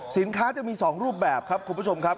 จะมี๒รูปแบบครับคุณผู้ชมครับ